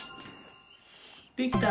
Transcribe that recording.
できた！